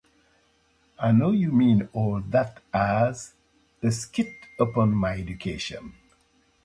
I know you mean all that as a skit upon my education.